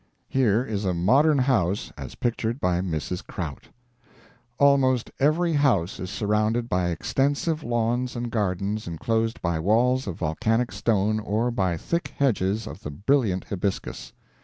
Here is a modern house, as pictured by Mrs. Krout: "Almost every house is surrounded by extensive lawns and gardens enclosed by walls of volcanic stone or by thick hedges of the brilliant hibiscus.